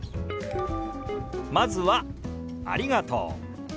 まずは「ありがとう」。